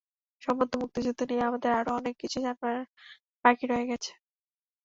সম্ভবত মুক্তিযুদ্ধ নিয়ে আমাদের আরও অনেক কিছু জানার বাকি রয়ে গেছে।